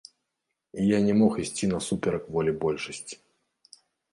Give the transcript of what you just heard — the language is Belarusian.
І я не мог ісці насуперак волі большасці.